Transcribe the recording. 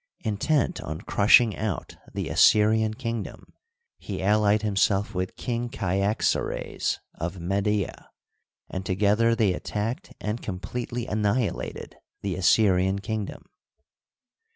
Intent on crushing out the Assyrian kingdom, he allied himself with King Kyax ares, of Media, and together they attacked and com pletely annihilated the Assyrian kingdom.